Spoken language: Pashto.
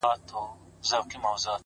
o باد را الوتی، له شبِ ستان دی،